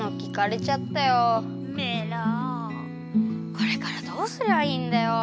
これからどうすりゃいいんだよ。